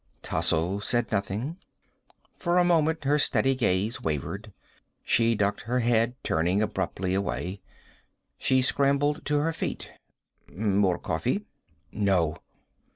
Tasso said nothing. For a moment her steady gaze wavered. She ducked her head, turning abruptly away. She scrambled to her feet. "More coffee?" "No."